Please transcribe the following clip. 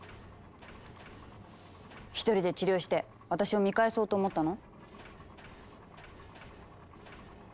一人で治療して私を見返そうと思ったの？